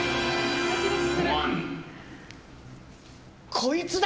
こいつだ！